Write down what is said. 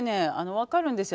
分かるんですよ